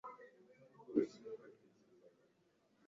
icyateye ubwo burwayi bwe